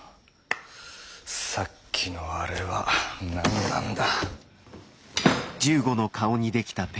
さっきのアレは何なんだ？